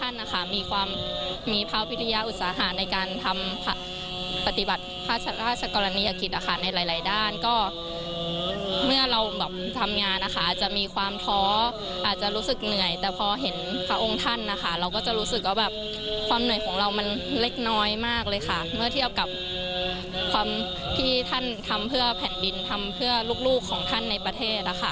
ในมหาบริการนี้ก็จะเปิดให้พวกนี้สนับสนุนที่จะได้บินทำเพื่อลูกของท่านในประเทศแล้วค่ะ